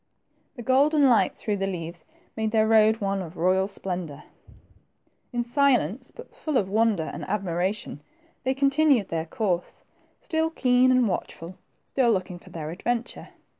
The golden light through the leaves made their road one of royal splendor. In silence, but full of wonder and admiration, they continued their course, still keen and watchful, still looking for their adventure.